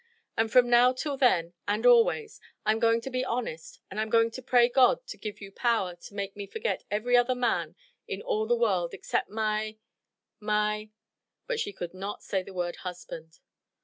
And from now till then, and always, I'm going to be honest, and I'm going to pray God to give you power to make me forget every other man in all the world except my my " But she could not say the word "husband."